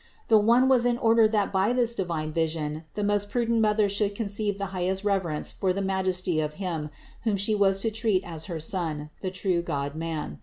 The one was in order that by this divine vision the most prudent Mother should conceive the highest reverence for the Majesty of Him whom She was to treat as her Son, the true God man.